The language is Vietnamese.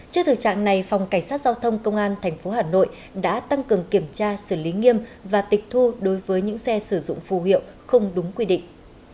trước thực trạng này phòng cảnh sát giao thông công an tp hà nội đã tăng cường kiểm tra xử lý nghiêm và tịch thu đối với những xe sử dụng phù hiệu không đúng quy định